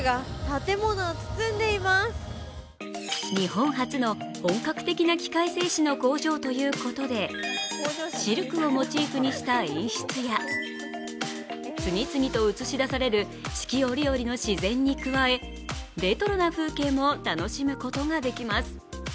日本初の本格的な器械製糸の工場ということでシルクをモチーフにした演出や、次々と映し出される四季折々の自然に加え、レトロな風景も楽しむことができます。